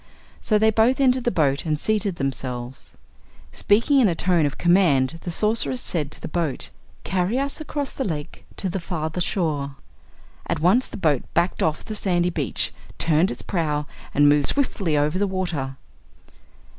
So they both entered the boat and seated themselves. Speaking in a tone of command the Sorceress said to the boat: "Carry us across the lake, to the farther shore." At once the boat backed off the sandy beach, turned its prow and moved swiftly over the water.